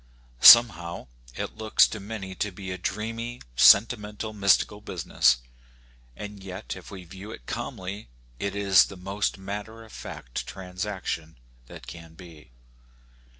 Somehow it looks to many to be a dreamy, sentimental, mystical business ; and yet if we view it calmly it is the most matter of fact transaction that can be.